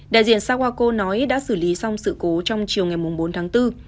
đại diện saguaco nói đã xử lý xong sự cố trong chiều ngày bốn tháng bốn